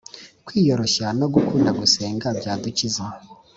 kwiyoroshya no gukunda gusenga byadukiza